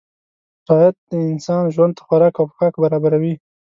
راعت د انسان ژوند ته خوراک او پوښاک برابروي.